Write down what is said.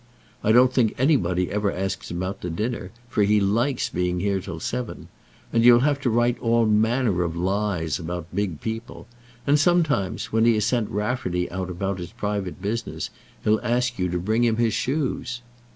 I don't think anybody ever asks him out to dinner, for he likes being here till seven. And you'll have to write all manner of lies about big people. And, sometimes, when he has sent Rafferty out about his private business, he'll ask you to bring him his shoes."